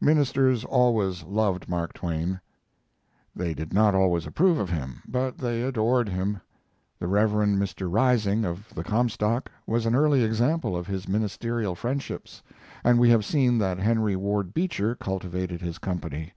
Ministers always loved Mark Twain. They did not always approve of him, but they adored him: The Rev. Mr. Rising, of the Comstock, was an early example of his ministerial friendships, and we have seen that Henry Ward Beecher cultivated his company.